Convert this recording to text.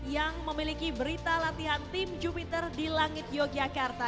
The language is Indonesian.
yang memiliki berita latihan tim jupiter di langit yogyakarta